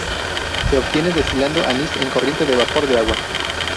Se obtiene destilando anís en corriente de vapor de agua.